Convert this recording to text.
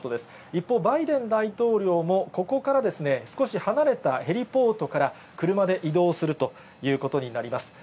一方、バイデン大統領もここから少し離れたヘリポートから車で移動するということになります。